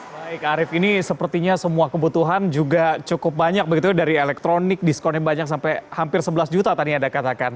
baik arief ini sepertinya semua kebutuhan juga cukup banyak begitu dari elektronik diskonnya banyak sampai hampir sebelas juta tadi anda katakan